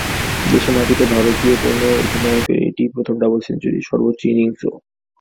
বিদেশের মাটিতে ভারতীয় কোনো অধিনায়কের এটিই প্রথম ডাবল সেঞ্চুরি, সর্বোচ্চ ইনিংসও।